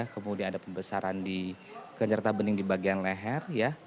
kemudian ada pembesaran di kenyarta bening di bagian leher